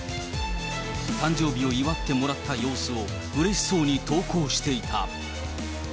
誕生日を祝ってもらった様子をうれしそうに投稿していた。